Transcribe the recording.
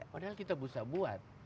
padahal kita bisa buat